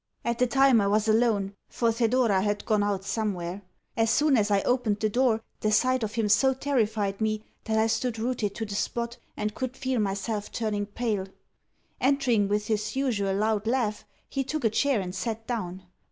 At the time I was alone, for Thedora had gone out somewhere. As soon as I opened the door the sight of him so terrified me that I stood rooted to the spot, and could feel myself turning pale. Entering with his usual loud laugh, he took a chair, and sat down.